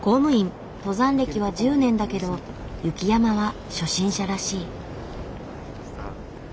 登山歴は１０年だけど雪山は初心者らしい。